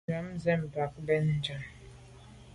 Njam sèn bag be bèn njam.